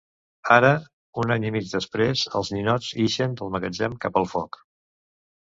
Ara, un any i mig després, els ninots ixen dels magatzems cap al foc.